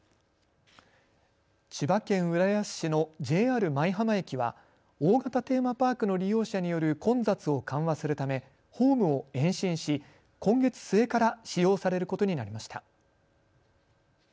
千葉県浦安市のＪＲ舞浜駅は大型テーマパークの利用者による混雑を緩和するためホームの延伸し今月末から使用されることになりました。